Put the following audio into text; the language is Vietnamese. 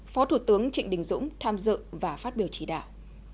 phó thủ tướng trịnh đình dũng tham dự và phát biểu chỉ đạo